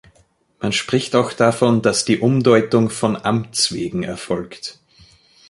Man spricht auch davon, dass die Umdeutung „von Amts wegen“ erfolgt.